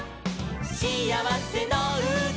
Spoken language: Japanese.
しあわせのうた」